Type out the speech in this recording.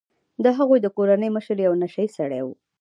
د هغوی د کورنۍ مشر یو نشه يي سړی و.